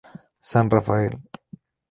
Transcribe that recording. San Rafael.